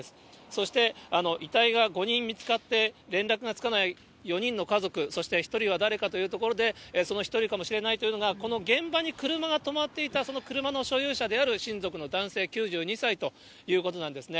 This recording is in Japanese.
そして、遺体が５人見つかって、連絡がつかない４人の家族、そして１人は誰かというところで、その１人かもしれないということで、この現場に車が止まっていた、その車の所有者である親族の男性９２歳ということなんですね。